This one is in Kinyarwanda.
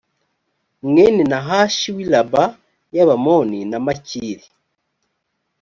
mwene nahashi w i raba y abamoni na makiri